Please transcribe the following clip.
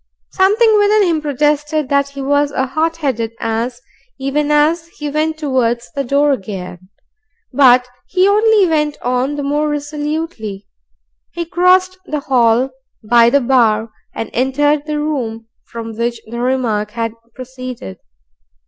Something within him protested that he was a hot headed ass even as he went towards the door again. But he only went on the more resolutely. He crossed the hall, by the bar, and entered the room from which the remark had proceeded.